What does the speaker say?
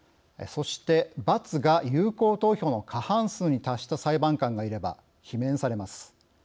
そして、「×」が有効投票の過半数に達した裁判官がいれば、罷免されます。